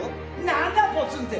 なんだ「ポツン」って！